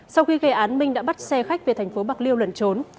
sau khi gây án minh đã bắt xe khách về thành phố bạc liêu lẩn trốn